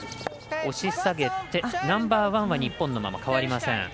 ナンバーワンは日本のまま変わりません。